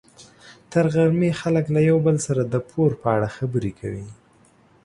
تر غرمې خلک له یو بل سره د پور په اړه خبرې کوي.